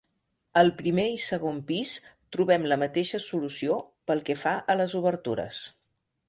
Al primer i segon pis trobem la mateixa solució pel que fa a les obertures.